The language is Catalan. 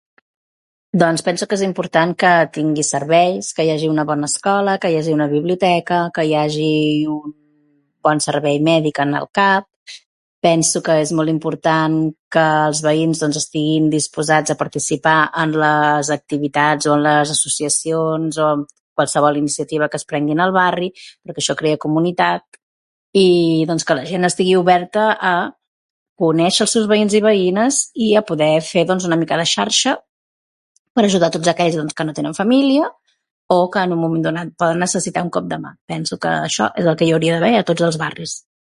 Doncs penso que és important que tingui serveis, que hi hagi una bona escola, que hi hagi una biblioteca, que hi hagi un bon servei mèdic en el CAP. Penso que és molt important que els veïns doncs estiguin disposats a participar en les activitats o en les associacions o, qualsevol iniciativa que es prengui en el barri, perquè això crea comunitat i, doncs que la gent estigui oberta a conèixer els seus veïns i veïnes i a poder fer doncs una mica de xarxa per ajudar tots aquells que no tenen família o que en un moment donat poden necessitar un cop de mà. Penso que això és el que hi hauria d'haver a tots els barris.